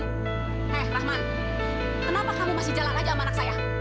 eh rahman kenapa kamu masih jalan aja sama anak saya